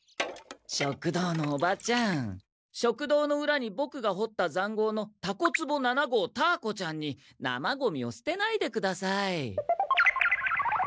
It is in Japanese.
食堂のおばちゃん食堂のうらにボクがほったざんごうのタコつぼ７号ターコちゃんに生ゴミをすてないでください。